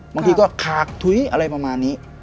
บางทีก็ขากถุยอะไรประมาณนี้